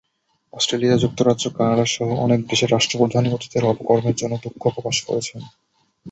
Australia, যুক্তরাজ্য, কানাডাসহ অনেক দেশের রাষ্ট্রপ্রধানই অতীতের অপকর্মের জন্য দুঃখ প্রকাশ করেছেন।